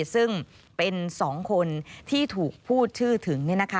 ซึ่งเป็น๒คนที่ถูกพูดชื่อถึง